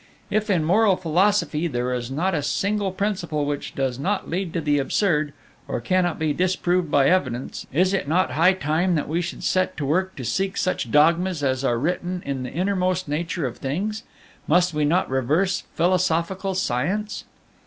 If in moral philosophy there is not a single principle which does not lead to the absurd, or cannot be disproved by evidence, is it not high time that we should set to work to seek such dogmas as are written in the innermost nature of things? Must we not reverse philosophical science?